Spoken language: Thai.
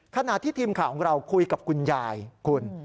ขณะที่ทีมข่าวของเราคุยกับคุณยายคุณ